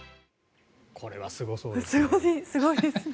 これはすごそうですね。